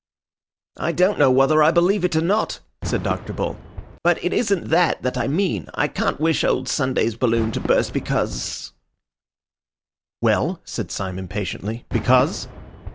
"I don't know whether I believe it or not," said Dr. Bull. "But it isn't that that I mean. I can't wish old Sunday's balloon to burst because—" "Well," said Syme impatiently, "because?"